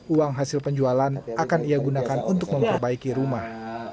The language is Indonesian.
uang hasil penjualan akan ia gunakan untuk memperbaiki rumah